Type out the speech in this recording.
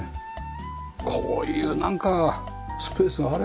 こういうなんかスペースがあれば。